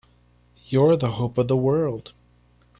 You're the hope of the world!